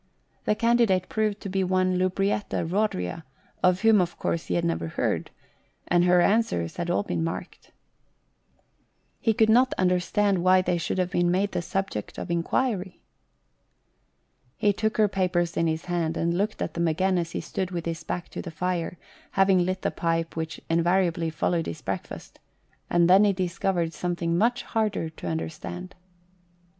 The candidate proved to be one Lubrietta Eodria, of whom, of course, he had never heard, and her answers had all been marked. He could not 93 &HOST TALES. understand why they should have been made the subject of enquiry. He took her papers in his hand, and looked at them again as he stood with his back to the fire, having lit the pipe which invariably followed his breakfast, and then he discovered something much harder to understand.